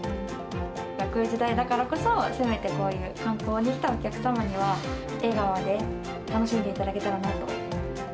こういう時代だからこそ、せめてこういう、観光に来たお客様には、笑顔で楽しんでいただけたらなと。